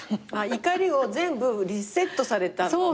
怒りを全部リセットされたんだね。